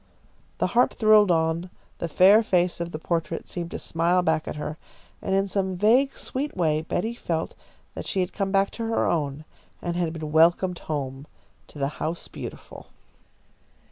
The harp thrilled on, the fair face of the portrait seemed to smile back at her, and in some vague, sweet way Betty felt that she had come back to her own and had been welcomed home to the House Beautiful.